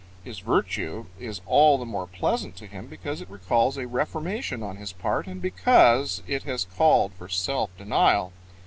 His virtue is all the more pleasant to him because it recalls a reformation on his part and because it has called for self denial.